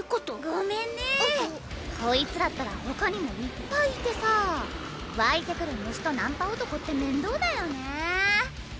ごめんねこいつらったら他にもいっぱいいてさ湧いてくる虫とナンパ男って面倒だよね